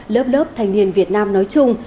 lớp lớp thanh niên việt nam nói chung